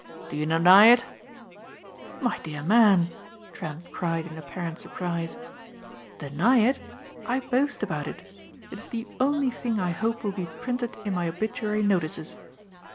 Do you deny it?" "My dear man," Trent cried in apparent surprise, "Deny it? I boast about it! It is the only thing I hope will be printed in my obituary notices."